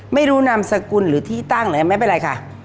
ไม่รู้นามสกุลหรือที่ตั้งอะไรไม่เป็นไรค่ะ